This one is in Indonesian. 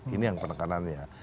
ini yang penekanannya